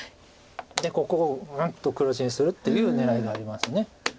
でここをぐるっと黒地にするっていう狙いがあります。